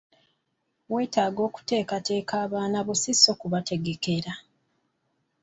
Weetaaga okuteekateeka abaana bo si ku bategekera.